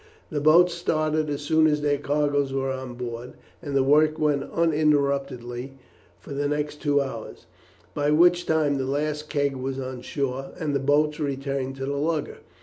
The boats started as soon as their cargoes were on board, and the work went on uninterruptedly for the next two hours, by which time the last keg was on shore, and the boats returned to the lugger.